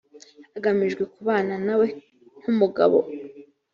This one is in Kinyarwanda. hagamijwe kubana nawe nk umugabo